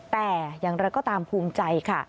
แต่อย่างไรก็ตามภูมิใจค่ะ